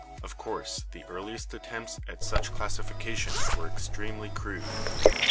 Of course the earliest at tempts at such classification were extremely crude.